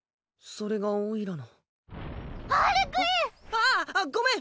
あっ。ああごめん。